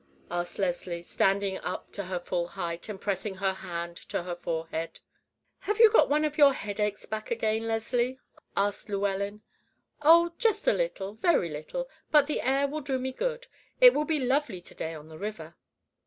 asked Leslie, standing up to her full height, and pressing her hand to her forehead. "Have you got one of your headaches back again, Leslie?" asked Llewellyn. "Oh, just a little, very little; but the air will do me good. It will be lovely to day on the river."